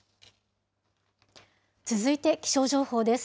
続いて気象情報です。